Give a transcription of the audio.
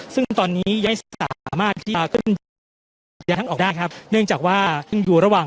ซึ่งตอนนี้ยังไม่สามารถที่จะออกได้ครับเนื่องจากว่ายังอยู่ระหว่าง